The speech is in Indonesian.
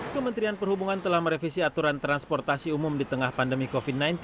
kementerian perhubungan telah merevisi aturan transportasi umum di tengah pandemi covid sembilan belas